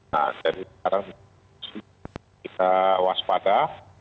nah jadi sekarang kita waspada